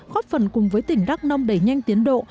góp phần cùng với tỉnh đắk nông đẩy nhanh tiến độ